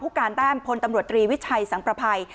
การแต้มพลตำรวจตรีวิชัยสังประภัย